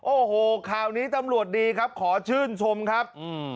โอ้โหข่าวนี้ตำรวจดีครับขอชื่นชมครับอืม